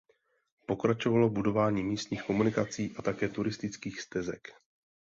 Pokračovalo budování místních komunikací a také turistických stezek.